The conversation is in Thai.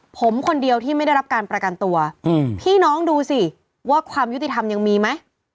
ผมคนเดียวที่ไม่ได้รับการประกันตัวพี่น้องดูสิว่าความยุติธรรมยังมีไหม